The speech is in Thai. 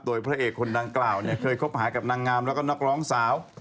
โดยพระเอกคนดังกล่าวเนี่ยเคยคบหากับนางงามแล้วก็นักร้องสาว